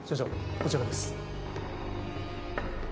こちらです